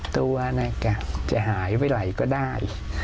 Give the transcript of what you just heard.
ตัวนักกะจะหายไปไหนก็ได้